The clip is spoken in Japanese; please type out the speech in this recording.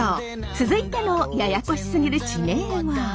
続いてのややこしすぎる地名は？